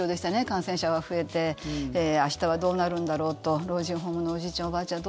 感染者が増えて明日はどうなるんだろうと老人ホームのおじいちゃんおばあちゃん